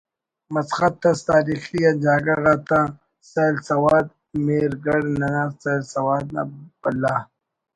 مسخت ئس تاریخی آ جاگہ غاتا سیل سواد ”مہر گڑھ“ ننا سیل سواد نا بھلا